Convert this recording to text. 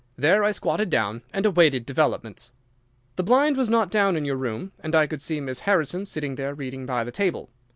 There I squatted down and awaited developments. "The blind was not down in your room, and I could see Miss Harrison sitting there reading by the table.